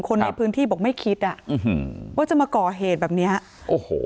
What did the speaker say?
คนในพื้นที่บอกไม่คิดอ่ะอืมว่าจะมาก่อเหตุแบบเนี้ยโอ้โห